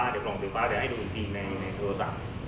เดี๋ยวกล่องไฟฟ้าจะให้ดูอีกทีในโทรศัพท์